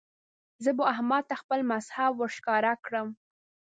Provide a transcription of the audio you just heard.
زه به احمد ته خپل مذهب ور ښکاره کړم.